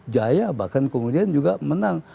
jaya bahkan kemudian juga menang